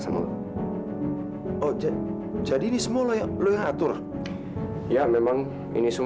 terus kenapa winona bisa ada di sini ya